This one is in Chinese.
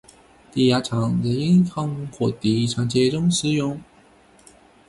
抵押常在银行或地产界中使用。